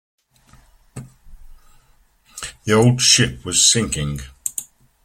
The old ship was sinking.